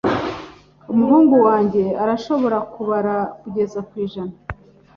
Umuhungu wanjye arashobora kubara kugeza ku ijana.